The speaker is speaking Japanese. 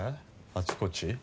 あちこち。